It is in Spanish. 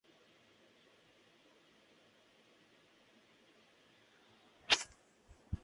El campamento de la Resistencia Saharaui.